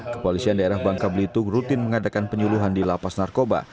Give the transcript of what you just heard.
kepolisian daerah bangka belitung rutin mengadakan penyuluhan di lapas narkoba